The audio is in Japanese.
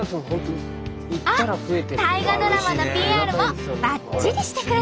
あっ大河ドラマのＰＲもばっちりしてくれてる。